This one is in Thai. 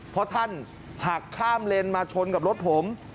เพราะท่านหักข้ามเลนมาชนกับรถผม